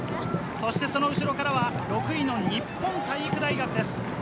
その後ろからは６位の日本体育大学です。